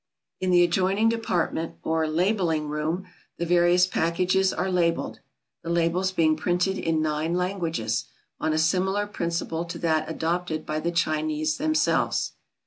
In the adjoining department, or "Labelling Room," the various packages are labelled (the labels being printed in nine languages), on a similar principle to that adopted by the Chinese themselves.